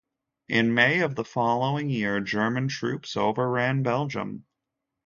In May of the following year, German troops overran Belgium.